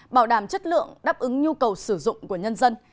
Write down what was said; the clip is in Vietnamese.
bảo đảm chất lượng đáp ứng nhu cầu sử dụng của nhân dân